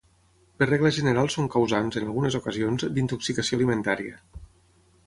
Per regla general són causants, en algunes ocasions, d'intoxicació alimentària.